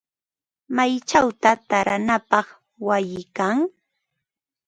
¿Maychawta taaranapaq wayi kan?